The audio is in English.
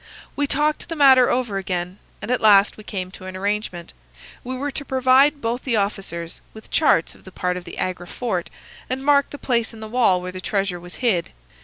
We talked the matter over again, and at last we came to an arrangement. We were to provide both the officers with charts of the part of the Agra fort and mark the place in the wall where the treasure was hid.